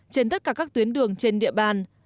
trên tất cả các tuyến đường trên địa bàn